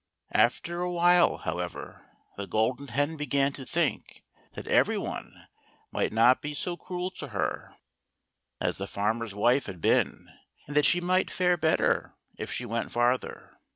After a while, however, the Golden Hen began to think that every one might not be so cruel to her as D so THE GOLDEN HEN. the farmer's wife had been, and that she might fare better if she went farther.